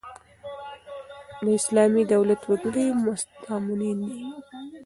د اسلامي دولت وګړي مستامنین يي.